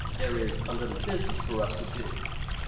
There is a little business for us to do."